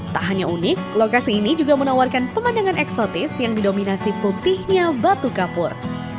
tak hanya unik lokasi ini juga menawarkan pemandangan eksotis yang didominasi putihnya batu kapur